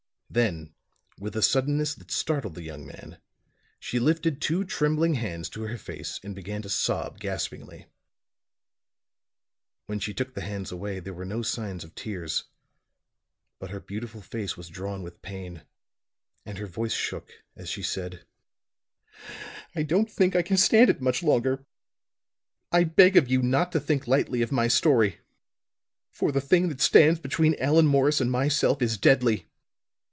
Then with a suddenness that startled the young man she lifted two trembling hands to her face and began to sob gaspingly. When she took the hands away there were no signs of tears, but her beautiful face was drawn with pain and her voice shook as she said: "I don't think I can stand it much longer. I beg of you not to think lightly of my story; for the thing that stands between Allan Morris and myself is deadly.